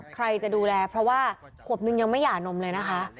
ใครจะดูแลเพราะว่าขวบนึงยังไม่หย่านมเลยนะคะ